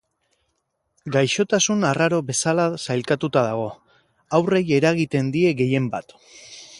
Gaixotasun arraro bezala sailkatuta dago, haurrei eragiten die gehien bat.